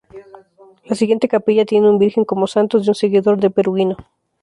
La siguiente capilla tiene una "Virgen con santos" de un seguidor de Perugino.